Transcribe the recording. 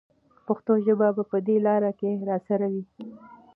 پښتو ژبه به په دې لاره کې راسره وي.